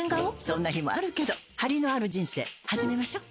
そんな日もあるけどハリのある人生始めましょ。